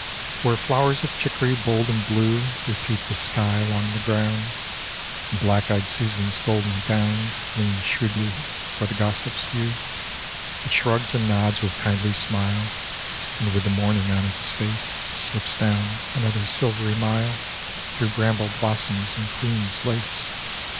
Where flowers of chicory bold and blue Repeat the sky along the ground, And black eyed Susans golden gowned Lean shrewdly for the gossips' view, It shrugs and nods with kindly smile, And with the morning on its face Slips down another silvery mile Through bramble blossoms and queen's lace.